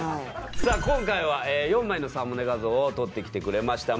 さあ今回は４枚のサムネ画像を撮ってきてくれました。